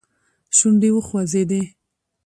شونډې وخوځېدې.